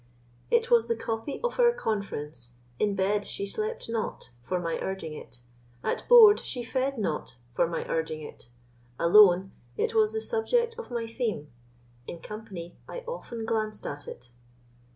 It was the copy of our conference. In bed she slept not, for my urging it; At board she fed not, for my urging it; Alone, it was the subject of my theme; In company I often glanced at it.